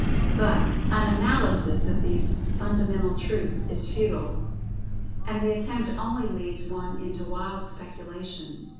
But an analysis of these funda[Pg 17]mental truths is futile, and the attempt only leads one into wild speculations.